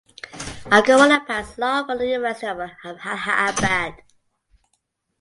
Agarwala passed Law from the University of Allahabad.